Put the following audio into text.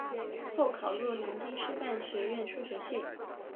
后考入南京师范学院数学系。